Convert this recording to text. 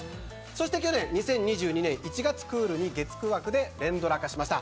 そして、去年２０２２年１月クールに月９枠で連ドラ化しました。